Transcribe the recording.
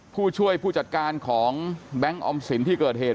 ผู้ช่วยผู้จัดการของแบงค์ออมสินที่เกิดเหตุ